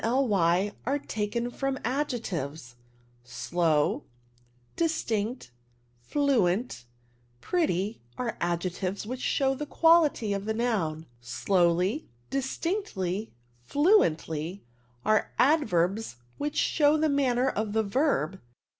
ly are taken from adjectives : slow, distinct, fluent, pretty^ are adjectives which show the quality of the noun : slow^, distinct/^, fluent^, are adverbs which show the manner of the verb.